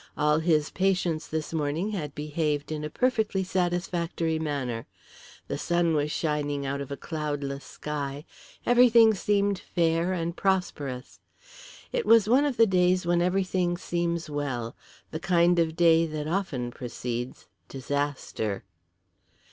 All his patients this morning had behaved in a perfectly satisfactory manner. The sun was shining out of a cloudless sky, everything seemed fair and prosperous. It was one of the days when everything seems well the kind of day that often precedes disaster.